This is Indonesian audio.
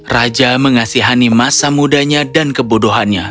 raja mengasihani masa mudanya dan kebodohannya